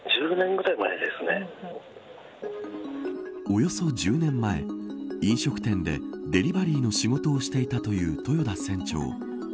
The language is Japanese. およそ１０年前飲食店でデリバリーの仕事をしていたという豊田船長。